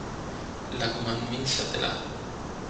La Condamine-Châtelard